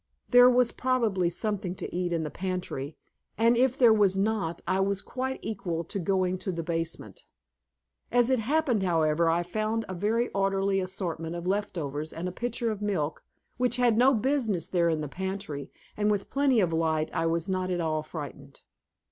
There was probably something to eat in the pantry, and if there was not, I was quite equal to going to the basement. As it happened, however, I found a very orderly assortment of left overs and a pitcher of milk, which had no business there in the pantry, and with plenty of light I was not at all frightened.